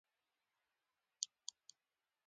د امپراتور او چاپېره کړۍ له لوري د قدرت تمرکز و